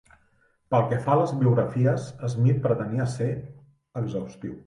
Pel que fa a les biografies, Smith pretenia ser exhaustiu.